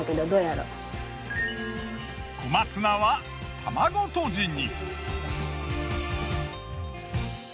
小松菜は卵とじに。